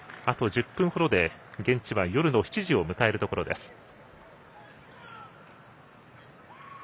あと１０分ほどで現地は夜の７時を迎えます。